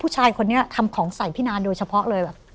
ผู้ชายคนนี้ทำของใส่พี่นานโดยเฉพาะเลยแบบ